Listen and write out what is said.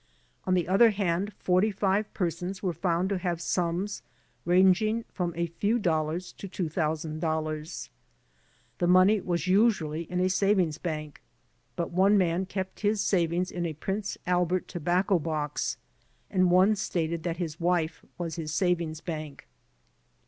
On the other hand forty five persons were found to have sums ranging from a few dollars to $2,000. The money was usually in a savings bank, but one man kept his savings in a Prince Albert tobacco box and one stated that his wife was his savings bank.